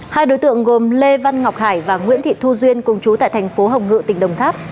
hai đối tượng gồm lê văn ngọc hải và nguyễn thị thu duyên cùng chú tại thành phố hồng ngự tỉnh đồng tháp